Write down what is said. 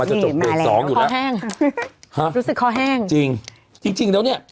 อ๋อคอแห้งฮะรู้สึกคอแห้งจริงจริงแล้วเนี้ย